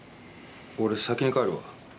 俺先に帰るわ。